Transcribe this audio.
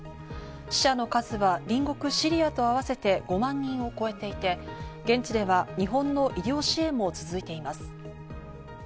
死者の数は隣国シリアと合わせて５万人を超えていて、現地では日本の医療支援も続いています。